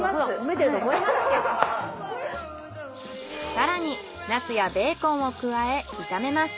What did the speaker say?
更にナスやベーコンを加え炒めます。